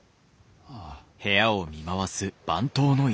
ああ。